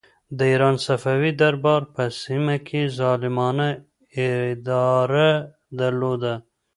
د ایران صفوي دربار په سیمه کې ظالمانه اداره درلوده.